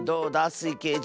スイけいじ。